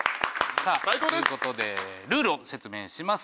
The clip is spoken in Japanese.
さあということでルールを説明します。